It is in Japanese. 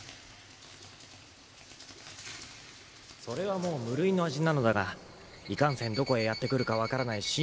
それはもう無類の味なのだがいかんせんどこへやって来るか分からない